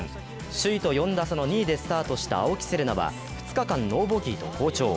首位と４打差の２位でスタートした青木瀬令奈は２日間、ノーボギーと好調。